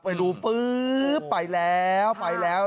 ไปดูฟื๊บไปแล้วไปแล้ว